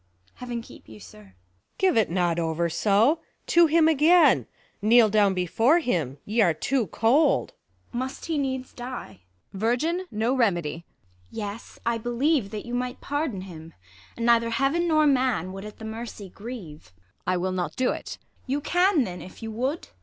Heaven keep you, sir. Luc. Give it not over so ! to him again : Kneel down before him ; y'are too cold. ISAB. Must he needs die ] Ang. Virgin, no remedy. IsAB. Yes, I believe that you might pardon him ; And neither Heaven, nor man, would at THE LAW AGAINST LOVERS. 139 The mercy grieve. Ang. I will not do't. ISAB. You can then, if you would